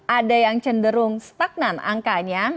ada yang cenderung stagnan angkanya